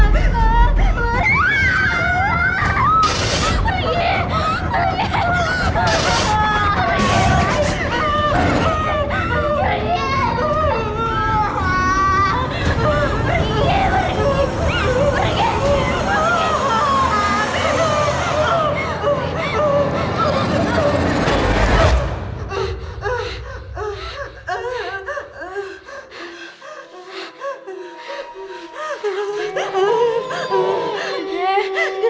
belum ada waktu